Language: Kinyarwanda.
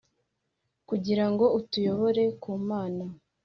kugira ngo atuyobore ku Mana,